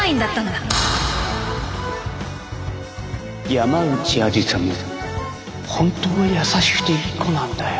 山内愛理沙も本当は優しくていい子なんだよ。